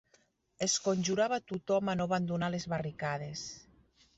Es conjurava tothom a no abandonar les barricades